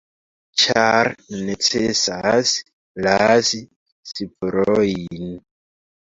Ĉar necesas lasi spurojn”.